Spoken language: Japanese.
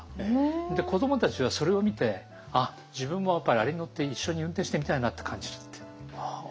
で子どもたちはそれを見て「あっ自分もやっぱりあれに乗って一緒に運転してみたいな」って感じるって。